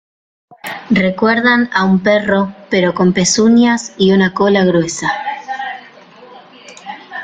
Recuerdan a un perro, pero con pezuñas y una cola gruesa.